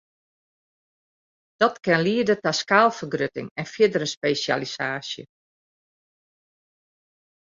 Dat kin liede ta skaalfergrutting en fierdere spesjalisaasje.